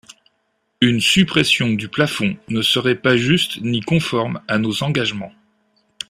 Une suppression du plafond ne serait pas juste ni conforme à nos engagements.